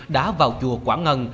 đã vào chùa quảng ngân